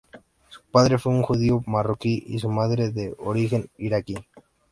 Su padre fue un judío marroquí y su madre de origen iraquí.